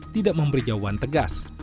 tidak memberi jawaban tegas